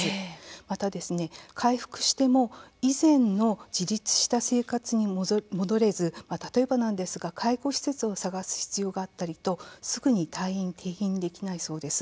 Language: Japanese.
またですね、回復しても以前の自立した生活に戻れず例えばなんですが介護施設を探す必要があったりとすぐに退院、転院できないそうです。